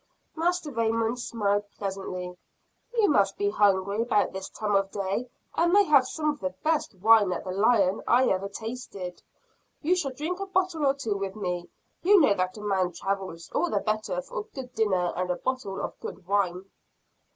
Master Raymond smiled pleasantly. "You must be hungry about this time of day, and they have some of the best wine at the Lion I ever tasted. You shall drink a bottle or two with me. You know that a man travels all the better for a good dinner and a bottle of good wine."